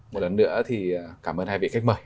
một lần nữa thì cảm ơn hai vị khách mời